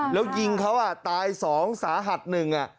แล้วยิงเขาตายสองสาหัสหนึ่ง